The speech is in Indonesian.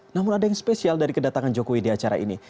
namun ada yang spesial dari kedatangan jokowi di acara ini